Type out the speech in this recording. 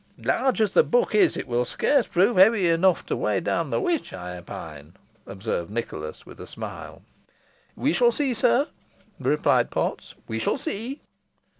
"Large as the book is, it will scarce prove heavy enough to weigh down the witch, I opine," observed Nicholas, with a smile. "We shall see, sir," replied Potts. "We shall see."